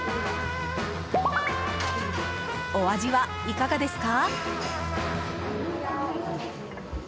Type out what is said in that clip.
お味は、いかがですか？